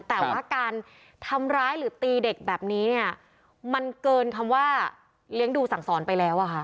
แต่ว่าการทำร้ายหรือตีเด็กแบบนี้เนี่ยมันเกินคำว่าเลี้ยงดูสั่งสอนไปแล้วอะค่ะ